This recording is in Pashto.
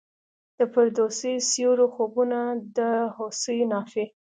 د فردوسي سیورو خوبونه د هوسیو نافي